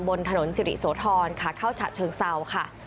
บนถนนสิริโสธรขาเข้าฉะเชิงเศร้าค่ะ